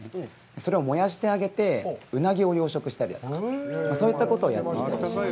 それを燃やしてあげてウナギを養殖したりとか、そういったことをやっています。